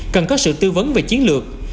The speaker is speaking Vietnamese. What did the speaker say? cần có sự tư vấn về chiến lược